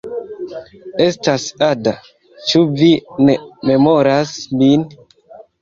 Estas Ada. Ĉu vi ne memoras min?